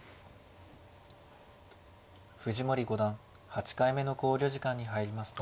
藤森五段８回目の考慮時間に入りました。